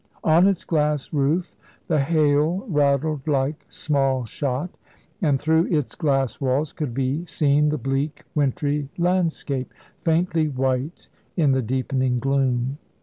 On its glass roof the hail rattled like small shot, and through its glass walls could be seen the bleak, wintry landscape, faintly white in the deepening gloom.